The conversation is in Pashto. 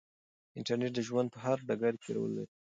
انټرنیټ د ژوند په هر ډګر کې رول لري.